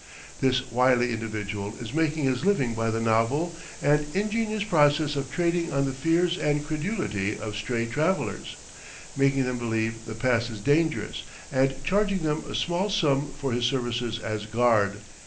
This wily individual is making his living by the novel and ingenious process of trading on the fears and credulity of stray travellers, making them believe the pass is dangerous and charging them a small sum for his services as guard.